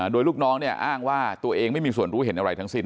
โดยลูกน้องเนี่ยอ้างว่าตัวเองไม่มีส่วนรู้เห็นอะไรทั้งสิ้น